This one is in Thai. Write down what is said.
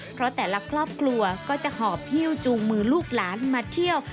เพราะแต่ละครอบครัวก็จะหอบฮิ้วจูงมือลูกหลานมาเที่ยว